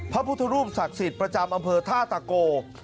พระพุทธรูปศักดิ์สิทธิ์ประจำอำเภอท่าตะโก